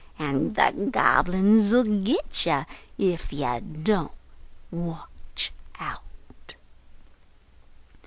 An' the Gobble uns 'll git you Ef you Don't Watch Out!